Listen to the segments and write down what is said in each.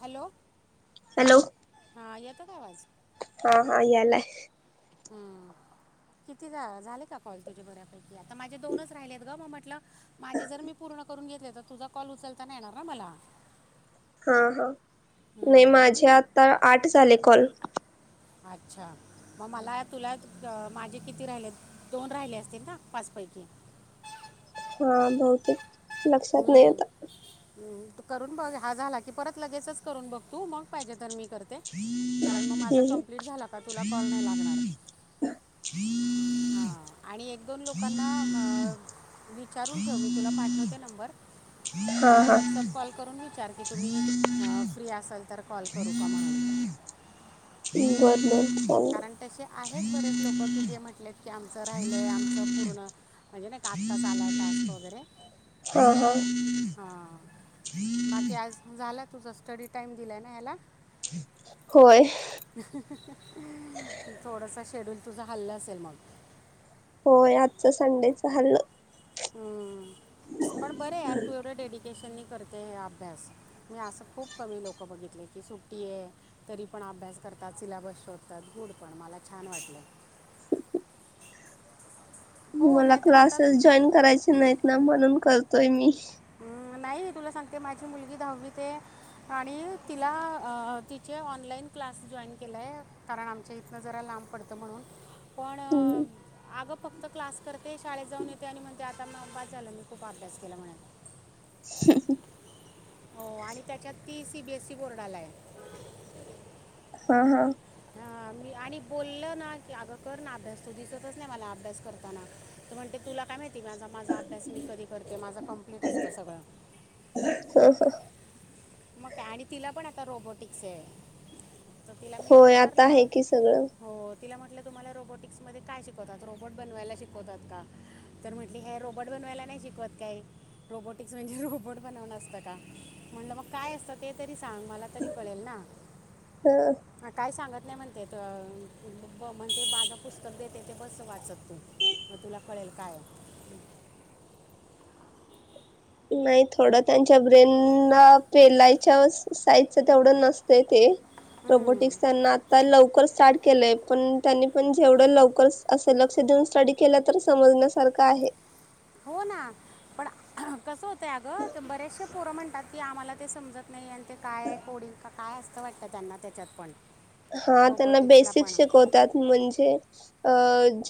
Hello [inaudible] hello [inaudible] हा येतो का आवाज, [inaudible] हा हा यालाय. [inaudible] हम्म, [inaudible] किती झा झाले का कॉल तुझे बऱ्यापैकी आता. माझे दोनच राहिलेत ग म म्हटलं, माझे जर मी पूर्ण पूर्ण करून घेतले त तुझा कॉल उचलता नाही येणार ना मला, [inaudible] हा हा [inaudible] नाही हं, म्हणून माझे मग आता आठ झाले कॉल. [inaudible] अच्छा मग मला तुला माझे किती राहिले दोन राहिले असतील ना पाच पट [unintelligible] हा बहुतेक [inaudible] लक्षात नाही आता, [inaudible] हम्म तु करून बघ हा झाला की परत लगेचच करून बघ तू मग पाहिजे तर मी [inaudible] [unintelligible] करते कारण मग माझं कंप्लीट झाला का तुला कॉल नाही लागणार - [inaudible] हां आणि एक दोन लोकांना अ विचारून ठेव मी तुला पाठवते नंबर. [inaudible] हा त्यांना हा व्हॉट्सअप कॉल करून विचार की तुम्ही अ फ्री असाल त कॉल करू का म्हणून, [inaudible] [inaudible] बर बर, [inaudible] कारण चालेल तसे आहेत बरेच लोक की जे म्हंटलेत की आमचं राहिलेय आमच पूर्ण पूर्ण [inaudible] म्हणजे नाही का आताच आलाय टास्क वगैरे, [inaudible] [inaudible] ह- ह- [inaudible] हां बाकी [inaudible] आज झाला तुझा स्टडी टाइम दिलाय ना याला. होय. थोडस शेड्यूल तुझ हल्ला असेल मग. होय. आजच संडेच हाल्लं. हम्म. पण बरय यार तू एवढ्या डेडी केशने करते हे अभ्यास, मी असं खूप कमी लोकं बघितले की सुट्टीये तरी पण अभ्यास करतात, सिलाबस शोधतात गुड पण मला छान वाटलं. हो मला नाहीतर आता क्लासेस जॉईन करायचे नाहीत ना म्हणून करतोय मी. हम्म. नाही तुला सांगते माझी मुलगी दहावी ते आणि तिला तिचे ऑनलाईन क्लास जॉईन केलाय कारण आमच्या इथनं जरा लांब पडतं म्हणून पण आग फक्त क्लास करते, शाळेत जाऊन येते. आणि म्हणते आता न बास झालं मी खूप अभ्यास केला म्हणे. [inaudible] हो. आणि त्याच्यात ती सीबीएससी बोर्डालाय. हां हां. हां मी आणि बोलं ना की अगं कर ना अभ्यास तू दिसतच नाही मला अभ्यास करताना. तर म्हणते तुला काय माहिती की माझा माझा अभ्यास मी कधी करते. माझं कम्प्लीट असतं सगळं. मग काय, आणि तिला पण आता रोबोटिक्से. तर तिला मी होय आता आहे विचारलं. की सगळं हो. तिला म्हटल तुम्हाला रोबोटिक्स मध्ये काय शिकवतात. रोबट बनवायला शिकवतात का? तर म्हंटली हे रोबट बन बनवायला नाही शिकत काई रोबोटिक्स म्हणजे रोबोट बनवण असतं का? म्हणल मग काय असत ते तरी सांग. मला तरी कळेल ना. ह काय सांग [unintelligible] म्हनते त म म्हणजे माझ पुस्तक देते ते बसं वाचत तू, मग तुला कळेल. काय नाही थोड त्यांच्या ब्रेना पेलायच्या साईजच तेवढं नस ते हम्म. रोबोटिक्स त्यांना आता लवकर स्टार्ट केलंय. पण त्यांनी पण जेवढं लवकर असं लक्ष देऊन स्टडी केलं तर समजण्यासारखं आहे. हो ना, पण कसं होतंय अगं, बरेचसे पोरं म्हणतात की आम्हाला ते समजत नाही आण ते काय कोडी काय असतं वाटतं त्यांना त्याच्यात पण हा त्यांना रोबोटिक्सला बेसिक पण शिकवतात म्हणजे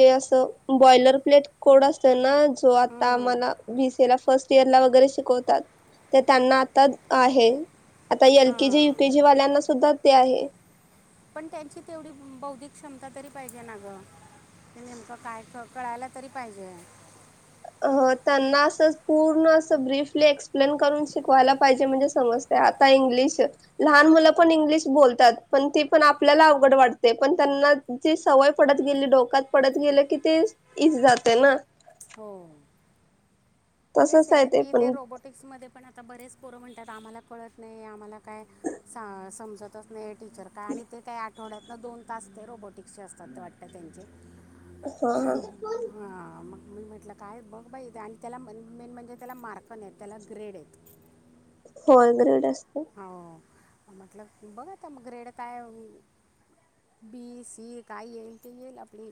अ अस बॉलर प्लेट कोड असत ना जो आता हम्म. आम्हाला बीसी ला फर्ट इतर. ला वगैरे शिकवतात तर त्यांना आता आहे आता एल केेजी हां युकेजी वाल्यांना सुद्धा ते आहे. पण त्यांची तेवढी बौद्धिक क्षमता तरी पाहिजे ना ग ते नेमकं काय कळायला तरी पाहिजे. अ त्यांना अस पूर्ण अस ब्रीफली एक्सप्लेन करून शिकवायला पाहिजे म्हणजे सम आता इंग्लिश लहान मुलं पण इंग्लिश बोलतात ती पण आपल्याला अवघड वाटते पण, त्यांना जी सवय पडत गेली डोक्यात पडत गेले की ते इझी जातय ना. हो तेच आहे कि ते रोबोटिक्स मध्ये पण आता बरेच पोरं म्हणतात आम्हाला कळत नाही आम्हाला काय सा समजतच नाही? टीचर काय आणि ते काही आठवड्यातनं दोन तास ते रोबोटिक्सचे असतात ते वाटतात त्यांचे. हा हा हां, मग मी म्हटलं काय बघ बाई आणि त्याला मेन म्हणजे त्याला मार्कन नाहीत त्याला ग्रेड आहेत. [unintelligible] हो म्हटल बघा मग ग्रेड काय? बी सी काय येईल ते येईल आपली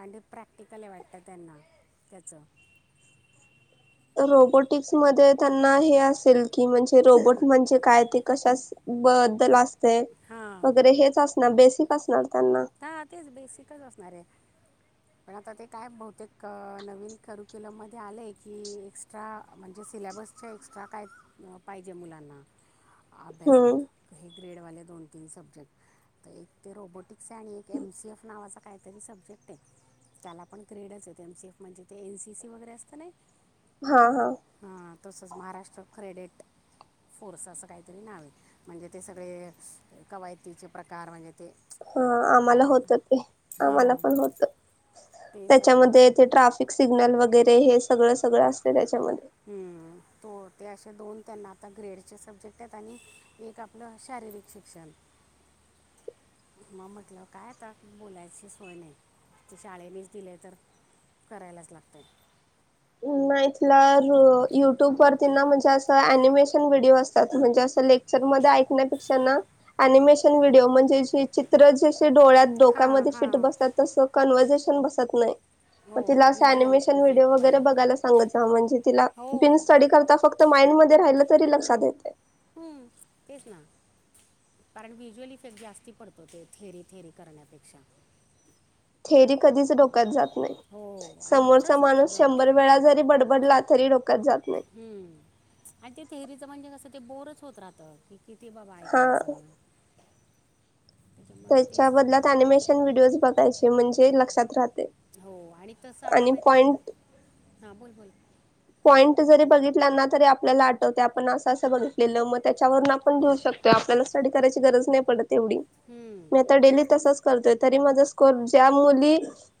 आणि प्रॅक्टिकली वाटतं त्यांना त्याचं. [inaudible] रोबोटिक्स मध्ये त्यांना हे असेल की म्हणजे रोबोट म्हणजे काय ते कशास? बद्दल असतय हां वगैरे हेच असणार बेसिक असणार. त्यांना हा तेच बेसिकच असणार आहे. पण आता ते काय बहुतेक नवीन करक्युलर मध्ये आले की एक्स्ट्रा म्हणजे सिलेबसच्या एक्स्ट्रा काय पाहिजे मुलांना हम्म अभ्यासात हे ग्रेडवाले दोन तीन सब्जेक्ट तर एक ते रोबोटिक आणि एक एम सी एफ नावाचा काहीतरी सब्जेक्ट आहे त्याला पण ग्रेडच आहेत एम सी एफ म्हणजे ते एन सी सी वगैरे असतं नाही हा.. हा.. हां तसंच महाराष्ट्र क्रेडिट फोर्स असं काहीतरी न् म्हणजे ते सगळे कवायतीचे प्रकार म्हणजे ते हा आम्हाला काय आता होत ते आम्हाला हां पण होत. ते सगळं त्याच्यामध्ये ते ट्राफिक सिग्नल वगैरे हे सगळं सगळं असते त्याच्यामध्ये. हम्म त ते असे दोन त्यांना आता ग्रेडचे सब्जेक्ट आहेत आणि एक आपलं अशा शारीरिक शिक्षण मग म्हटलं काय आता बोलायची सोय नाही. ते शाळेनेच दिले तर करायलाच लागतय. नाही तीला युट्यूब वरती ना म्हणजे असं ॲनिमेशन व्हिडिओ असतात म्हणजे असं लेक क्चर मध्ये ऐकण्यापेक्षा ना ॲनिमेशन व्हिडिओ म्हणजे चित्र जसे डोळ्यात, हां डोक्यामध्ये फिट हां बसतात. तस कन्वर्झेशन बसत नाही. म हो तिला असं व्हिज्युअल अनिमेशन व्हिडीओ वगैरे इफेक्टवाला बघायला बसव म्हणजे तीला हो स्टडी करता फक्त माइंड मध्ये राहिल तरी लक्षात येतय. हम् तेच ना. कारण व्हिज्युअल इफेक्ट जास्ती पडतो ते थेरी-थेरी करण्यापेक्षा. थेरी कधीच डोक्यात जात नाही. हो आणि समोरचा बोरच होतं माणूस गं शंभर वेळा जरी बडबडला तरी डोक्यात जात नाही. हम्म. आणि ते थेरीचं म्हणजे कस ते बोरच होत राहत. किती बाबा हा ऐकायचं. त्याच्यामुळं त्याच्या तेच बदल्यात अनिमेशन व्हिडिओज बघायचे म्हणजे लक्षात राह हो. आणि तस आता माहिती हा बोल बोल पॉईंट जरी बघितल्या ना तरी आपल्याला आठवते आपण असं असं बघितलेल मग त्याच्यावरून आपण घेऊ शकतो. आपल्याला स्टडी करायची गरज नाही पडत एवढी हम्म, मी आता डेली तसच करतोय. तरी माझा स्कोर ज्या मुली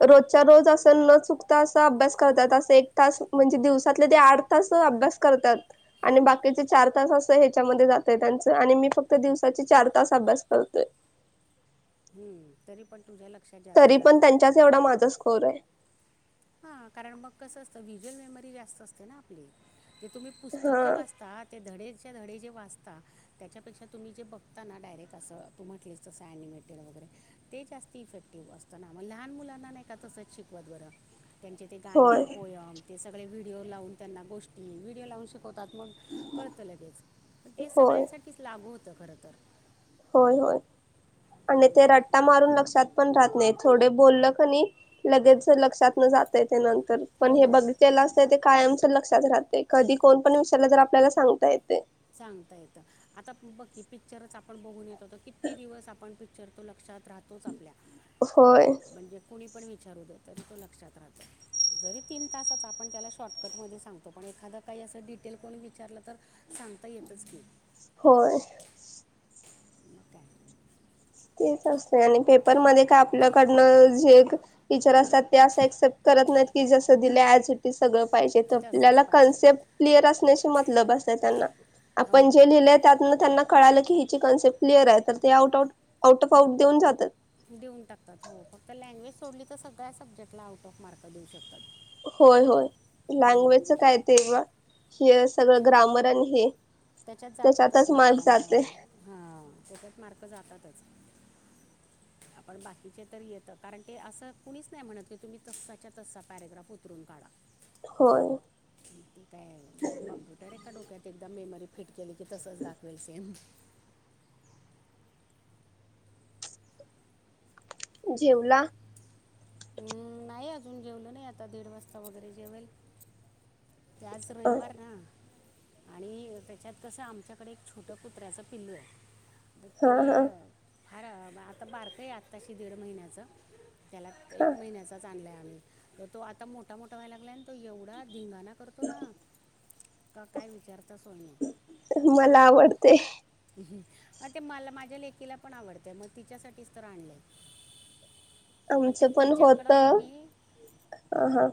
रोजच्या-रोज अस न चुकता अस अभ्यास करतात असं एक अस म्हणजे दिवसातले ते आठ तास अभ्यास करतात आणि बाकीचे चार तास अस ह्याच्यामध्ये जातोय त्यांच आणि मी फक्त दिवसाचे चार तास अभ्यास करतोय. हम्म. तरी पण तुझ्याला तरी पण त्यांच्याच एवढा माझा स्कोर आहे. हा. कारण मग कसं असत व्हिज्युअल मेमरी जास्त असते ना आपली ते तुम्ही पुस्तक हा जे वाचता ते धडे धडे जे वाचता त्यापेक्षा तुम्ही जे बघता ना डायरेक्ट असं तू म्हटलीस तसं ॲनिमेटेड वगैरे ते जास्ती इफेक्टिव्ह असत ना म लहान मुलांना नाही का तसंच शिकवत बरं? त्यांचे ते गाणे, होय पोयम ते सगळे व्हिडिओ लावून त्यांना गोष्टी व्हिडिओ लावून शिकवतात. मग कळत लगेच पण ते होय सगळ्यांसाठीच लागू होतं खर तर. होय, होय. आणि ते रट्टा मारून लक्षात पण राहत नाही थोडे बोललं कनी लगेच लक्षात न जाताय ते नंतर पण हे हो बघिलेल असतय ते कायमच लक्षात राहतय कधी कोण पण विचारल तर आपल्याला सांगता येतय. सांगता येत. आता बघ की पिक्चरच आपण बघून येतो तर किती दिवस आपण पिक तो लक्षात राहतोच आपल्या होय म्हणजे कोणी पण विचारू दे तरी तो लक्षात रहातो. जरी तीन तासाच आपण त्याला शॉर्टकटमध्ये सांगतो पण एखादं काही असं डिटेल कोणी विचारलं तर सांगता येतच की. होय. मग काय तेच असते आणि पेपरमध्ये का आपल्याकडनं जे टीचर असतात ते असं एक्सेप्ट कर करत नाहीत की जस दिलय ऍज इट इज सगळं पाहिजेत तसंच आपल्याला पाहिजे कनस्पेट क्लिअर असण्याशी मतलब असतय त्यांना. आपण जे लिहिलंय हो त्यातन त्यांना कळालं की ती कन्सेप्ट क्लिअर आहे तर ते out out out of out देऊन जातात. देऊन टाकतात हो. फक्त लँग्वेज सोडली तर सगळ्या सब्जेक्टला आउट ऑफ मार्क देऊ शकतात. होय होय हम्म. लँग्वेजच काय ते हे सगळं ग्रामर आणि हे त्याच्यात जातातच त्याच्यातच मार्क ना जाते हा. त्याच्यात मार्क जातातच. [inaudible] आपण बाकीचे तर येतं कारण ते असं कुणीच नाही म्हणत की तुम्ही तस्साच्या तस्सा पॅरेग्राफ उतरून काढा. होय ती काय कॉम्प्युटर आहे का डोक्यात एक मेमरी केले की तसंच दाखवेल सेम जेवला? हम्म नाही अजून जेवलो नाही आता दीड वाजता वगैरे जेवेल. ते आज अ रविवार ना. आणि त्याच्यात कसं आमच्याकडे एक छोट कुत्र्याचं पिल्लू ए. हा ते हा अ फार आता बारकं ये आत्ताशी दीड महिन्याचं त्याला हा एक महिन्याचाच आणलाय आम्ही, तर तो आता मोठा मोठा व्हाय लागलाय आन तो एवढा धिंगाणा करतो ना? का काय विचारता सोय नाही? मला आवडतय. अ ते मला माझ्या लेकीला पण आवडतय, मग तिच्यासाठीच तर आणलंय? ते आमचं पण तिच्याकडं होत अ. कमी हा.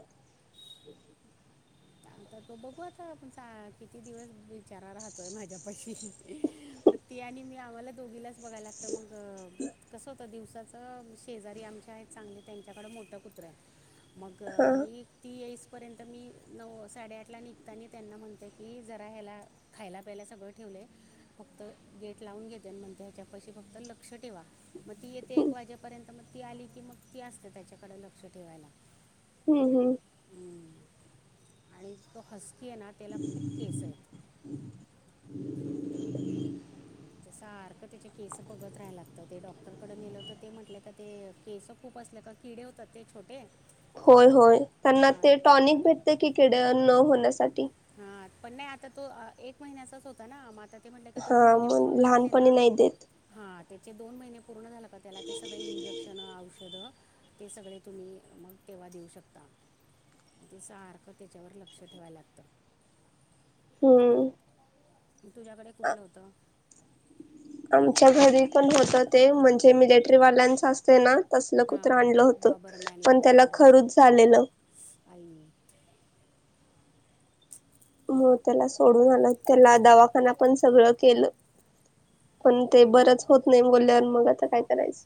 आता तो बघू आता, आपण चा किती दिवस बीचारा राहतोय माझ्यापाशी? ती आणि मी आम्हाला दोघीलाच बघायला लागतं, मग कसं होतं दिवसात च शेजारी आमच्या हायेत चांगले त्यांच्याकडं मोठं कुत्रं हाय? मग हा मी ती येईसपर्यंत मी नऊ साडेआठला निघताना त्यांना म्हणते की, जरा ह्याला खायला प्यायला सगळं ठेवलंय फक्त गेट लावून घेतेल, मग त्याच्यापाशी फक्त लक्ष ठेवा. मग ती येते एक हम्म वाजेपर्यंत मग ती आली की मग ती असते. त्याच्याकडे लक्ष ठेवायला. हू हू. हम्म. आणि तो हसकी ये ना तेला खूप केस येत. सारखं त्याचे केस बघत राहाय लागतं. ते डॉ क्टरकड नेल होत ते म्हटले का? ते केस खूप असले का किडे होतात ते छोटे. होय होय, त्यांना हां ते टॉनिक भेटत की कडे न होण्यासाठी. हां पण नाही, आता तो एक महिन्याचाच होता ना म आता ते म्हनले का दोन हा महिने मग पूर्ण झाले लहानपणी ना? नाही देत हा त्याचे दोन महिने पूर्ण झालं का? त्याला ते सगळे इंजेक्शन, औषधं ते सगळे तुम्ही मग तेव्हा देऊ शकता. ते सारखं त्याच्यावर लक्ष ठेवायला लागतं. हम्म. तुझ्याकडे कुठलं होतं आमच्या घरी पण होतं ते म्हणजे मिलेटरी वाल्यांच असतय ना? तसल कुत्र आणलं हां होत डॉबरमॅन पण त्याला लॅब्राडॉर असं खरुच झालेलं. आई म त्याला सोडून आलं, त्याला दवाखाना पण सगळं केलं. पण ते हम्म. बरंच होत नाही बोलल्यावर मग आता काय करायचं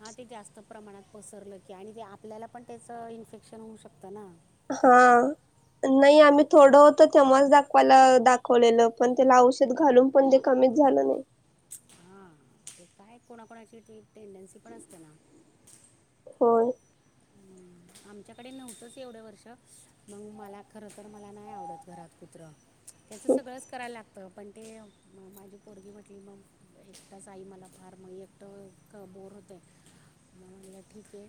हा ते जास्त प्रमाणात पसरलं की आणि ते आपल्याला पण त्याच इन्फेक्शन होऊ शकतं ना. हां. नाही आम्ही थोडं होत तेव्हाच दाखवायला-दाखवलेलं पण त्याला औषध घालून पण ते कमी झालं नाही. हा. ते काय कोणाकोणाची टेंडन्सी पण असते ना. हो. हम्म आमच्याकडे नव्हतंच एवढे वर्ष मग मला खर तर मला नाही आवडत घरात कुत्र. त्याचं सगळंच करायला लागतं. तर पण ते माझी पोरगी म्हटली मग एकटाच आई मला फार मग एकटं बोर होतय म म्हंटल ठीक आहे.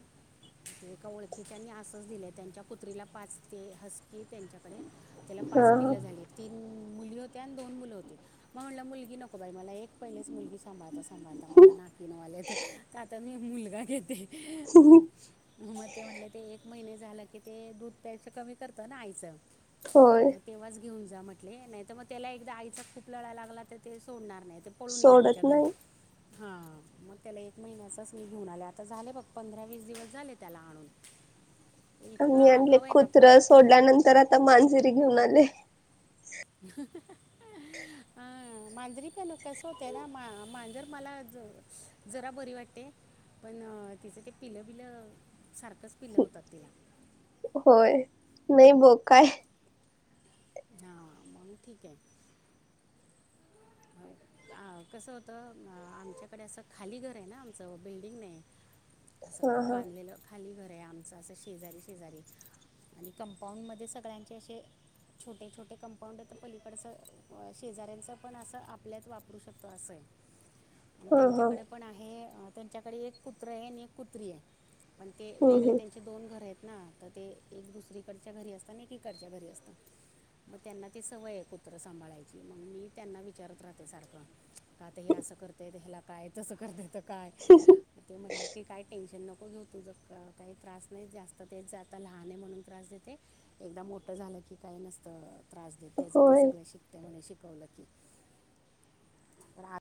एका ओळखीच्यानी आसच दिलय. त्यांच्या कुत्रीला पाच ते हसकी आहे त्यांच्याकडे. त्याला पाच हा पिल्ल झाली आहेत तीन मुली होत्या आणि दोन मुलं होतीत. मग म्हटलं मुलगी नको बाई मला एक पहिलेच मुलगी सांभाळता-सांभाळता मला ना कीनव आले तर आता मी एक मुलगा घेते. म ते म्हंटले ते एक महिने झालं की ते दूध प्यायच कमी करतं ना आईचं होय. मग तेव्हाच घेऊन जा म्हटले नाही, तर मग त्याला एकदा आईचा खूप लळा लागला तर, ते सोडणार नाही. ते पळून येईल सोडत आमच्या घरी नाही हा मग त्याला एक महिन्याच मी घेऊन आले. आता झाले बघ पंधरा वीस दिवस झाले. त्याला आणून का इतकं मी आणले आगाव आहे ना कुत्र पण सोडल्यानंतर आता मांजर घेऊन आले. [inaudible] अ मांजरी पण कस होतंय ना? मा मांजर मला जरा बरी वाटते. पण तिचं ते पिलं बिलं, सारखंच पिलं होतात तिला होय नाही बघ काय? हा मग ठीक हाय. हा. कसं होतं आमच्याकडे, असं खाली घर आहे ना आमचं बिल्डिंग नाही. असं हा हा बांधलेलं खाली घर आहे. आमचं असं शेजारी शेजारी आणि कंपाऊंड मध्ये सगळ्यांचे असे छोटे छोटे कंपाऊंड एत, तर पलीकडच शेजाऱ्यांच पण अस तर आपल्यात वापरू शकतो असं हाय आणि हा हा त्यांच्याकडे पण आहे. त्यांच्याकडे एक कुत्र हाय आणि एक कुत्री हाय पण ते हम्म वेगळे हम्म त्यांचे दोन घर हायेत. ना तर ते एक दुसरीकडच्या घरी असतं आणि इकडच्या घरी असत. मग त्यांना ते सवय ये कुत्र सांभाळायची मग मी त्यांना विचारत राहते सारखं, का ते हे असं करतय? ह्याला काय तसं करत तर काय? ते म्हटलं की काय टेशन नको. प ग्यो तुझ का काही त्रास नाही जास्त, तेच आता लहान आहे म्हणून त्रास देतय, एकदा मोठं झालं की काय नसतं त्रास देत त्याच ते होय. सगळ शिकत म्हणे शिकवलं की तर